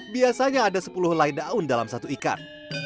biasanya ada sepuluh lai daun dalam satu ikat